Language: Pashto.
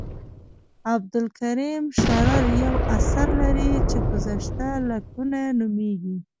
عبدالکریم شرر یو اثر لري چې ګذشته لکنهو نومیږي.